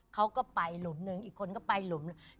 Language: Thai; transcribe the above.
เขาก็ไปหลุมหนึ่งอีกคนก็ไปหลุมหนึ่ง